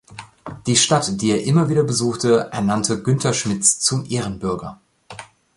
Die Stadt, die er immer wieder besuchte, ernannte Günter Schmitz zum Ehrenbürger.